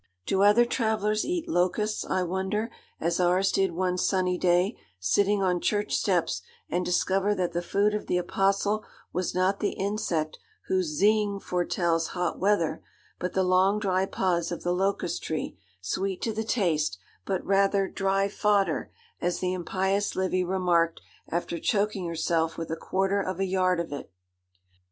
Do other travellers eat locusts, I wonder, as ours did one sunny day, sitting on church steps, and discover that the food of the Apostle was not the insect whose 'zeeing' foretells hot weather; but the long, dry pods of the locust tree, sweet to the taste, but rather 'dry fodder,' as the impious Livy remarked after choking herself with a quarter of a yard of it.